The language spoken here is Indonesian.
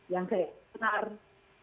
yang saya kenal